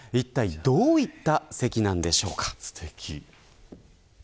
いったいどういった席なのでしょうか。